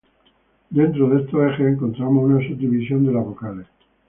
Dentro de estos ejes encontramos una subdivisión de las vocales.